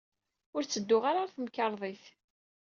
Ur ttedduɣ ara ɣer temkarḍit.